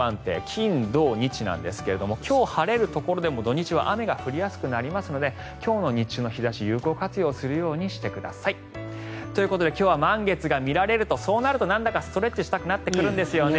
金土日なんですが今日晴れるところでも土日は雨が降りやすくなりますので今日の日中の日差し有効活用するようにしてください。ということで今日は満月が見られるとそうなるとなんだかストレッチやりたくなるんですよね。